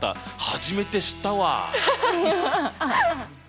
初めて知ったわ。